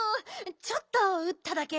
ちょっとうっただけ。